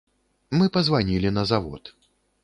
Мы пазванілі на завод.